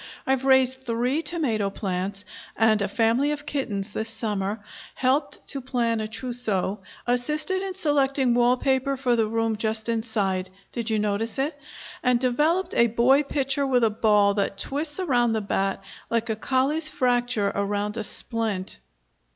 "I've raised three tomato plants and a family of kittens this summer, helped to plan a trousseau, assisted in selecting wall paper for the room just inside, did you notice it? and developed a boy pitcher with a ball that twists around the bat like a Colles fracture around a splint!"